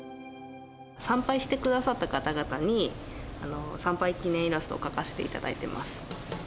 参拝してくださった方々に、参拝記念イラストを描かせていただいてます。